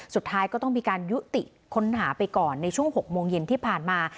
สุดท้ายก็ต้องมีการยุติค้นหาไปก่อนในช่วง๖โมงเย็นที่ผ่านมา